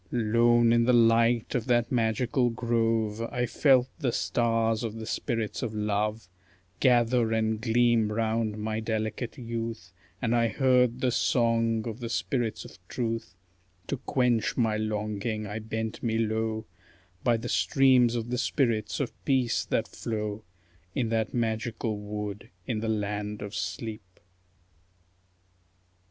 Lone in the light of that magical grove, I felt the stars of the spirits of Love Gather and gleam round my delicate youth, And I heard the song of the spirits of Truth; To quench my longing I bent me low By the streams of the spirits of Peace that flow In that magical wood in the land of sleep.